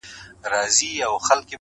دا نجلۍ لکه شبنم درپسې ژاړي_